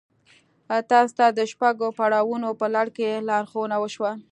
تاسې ته د شپږو پړاوونو په لړ کې لارښوونه وشوه.